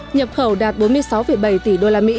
nhập khẩu đạt bốn mươi sáu bảy tỷ usd